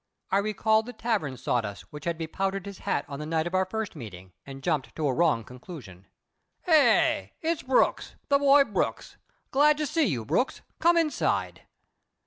I recalled the tavern sawdust which had bepowdered his hat on the night of our first meeting, and jumped to a wrong conclusion. "Eh? It's Brooks the boy Brooks! Glad to see you, Brooks! Come inside."